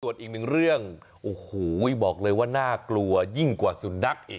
ส่วนอีกหนึ่งเรื่องโอ้โหบอกเลยว่าน่ากลัวยิ่งกว่าสุนัขอีก